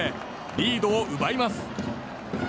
リードを奪います。